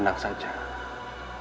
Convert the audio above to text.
kanjang sunan tenang saja